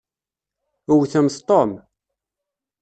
Wwtemt Tom.